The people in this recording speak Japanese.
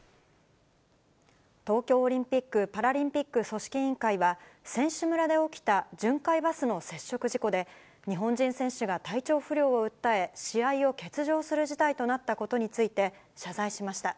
東京オリンピック・パラリンピック組織委員会は、選手村で起きた巡回バスの接触事故で、日本人選手が体調不良を訴え、試合を欠場する事態となったことについて、謝罪しました。